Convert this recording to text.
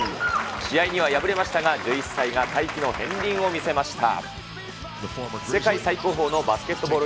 試合には敗れましたが、１１歳がの片りんを見せました。